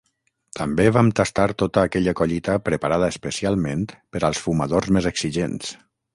També vam tastar tota aquella collita preparada especialment per als fumadors més exigents!